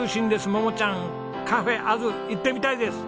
桃ちゃんＣａｆａｓ行ってみたいです。